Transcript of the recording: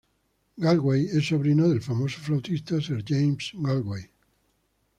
Galway es sobrino del famoso flautista Sir James Galway.